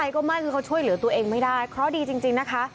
เขาดีจริงนะคะ